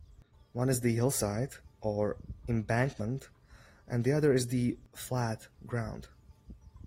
One is the "hillside" or "embankment" and the other is the "flat" ground.